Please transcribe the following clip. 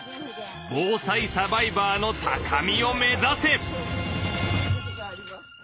防災サバイバーの高みを目指せ！